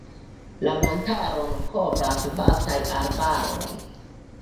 La montaron kovras vastaj arbaroj.